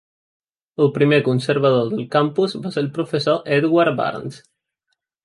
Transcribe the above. El primer conservador del campus va ser el professor Edward Barnes.